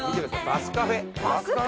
バスカフェ。